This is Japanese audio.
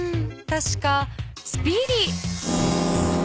たしかスピーディー。